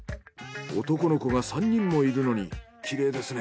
男の子が３人もいるのにきれいですね。